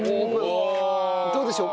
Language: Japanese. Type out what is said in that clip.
どうでしょう？